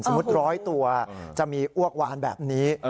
สมมุติ๑๐๐ตัวจะมีอ้วกว้างแบบนี้